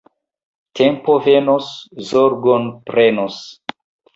Tempo venos, zorgon prenos.